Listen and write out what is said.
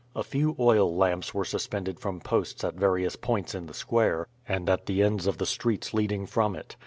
A few oil lamps were suspended from posts at various points in the square, and at the ends of the streets leading from it.